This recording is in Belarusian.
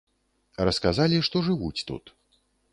Расказалі, што жывуць тут.